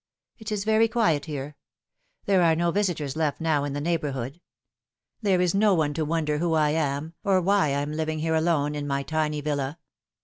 It is very quiet here. There are no visitors left now in the neighbourhood. There is no one to wonder who I am, or why I am living alone here in my tiny villa.